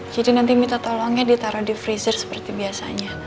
jadi nanti minta tolongnya ditaruh di freezer seperti biasanya